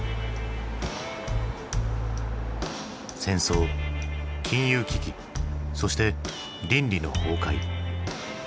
戦争金融危機そして倫理の崩壊。